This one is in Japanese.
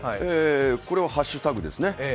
これはハッシュタグですね。